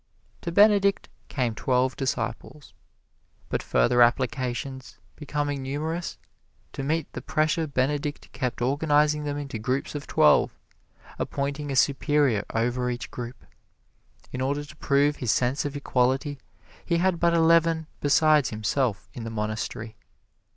To Benedict came twelve disciples. But further applications becoming numerous, to meet the pressure Benedict kept organizing them into groups of twelve, appointing a superior over each group. In order to prove his sense of equality, he had but eleven besides himself in the monastery.